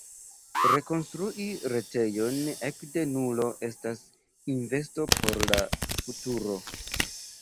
Rekonstrui retejon ekde nulo estas investo por la futuro.